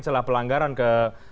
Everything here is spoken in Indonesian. celah pelanggaran ke